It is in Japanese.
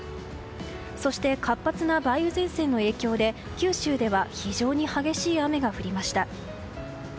そして活発な梅雨前線の影響で九州では非常に激しい雨が降りました。